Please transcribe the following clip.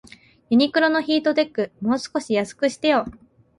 ユニクロのヒートテック、もう少し安くしてよ